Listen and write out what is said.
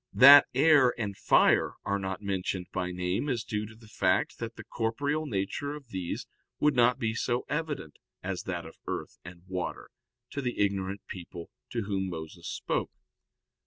That air and fire are not mentioned by name is due to the fact that the corporeal nature of these would not be so evident as that of earth and water, to the ignorant people to whom Moses spoke.